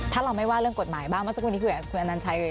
ถ้าเราไม่ว่าเรื่องกฎหมายบ้างสักวันนี้คือผู้อาจารย์นันชัยเลย